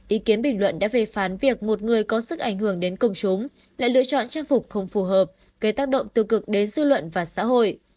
ý kiến bình luận đã về phán việc một người có sức ảnh hưởng đến công chúng lại lựa chọn trang phục không phù hợp gây tác động tiêu cực đến dư luận và xã hội